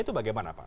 itu bagaimana pak